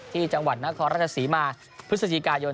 ที่จังหวัดนครราชศรีมาพฤศจิกายน